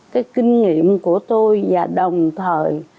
cái kinh nghiệm của tôi và đồng thời